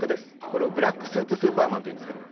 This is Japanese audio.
これをブラックスーツスーパーマンというんですけど。